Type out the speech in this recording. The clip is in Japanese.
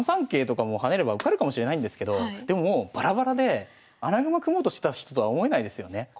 桂とかも跳ねれば受かるかもしれないんですけどでももうバラバラで穴熊組もうとしてた人とは思えないですよね。